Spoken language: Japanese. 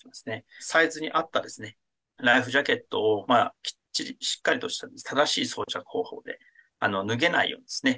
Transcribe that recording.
サイズに合ったライフジャケットをきっちりしっかりとした正しい装着方法で脱げないようにですね